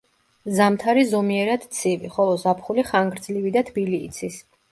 ზამთარი ზომიერად ცივი, ხოლო ზაფხული ხანგრძლივი და თბილი იცის.